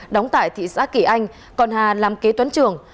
đóng tại thị xã kỳ anh còn hà làm kế toán trưởng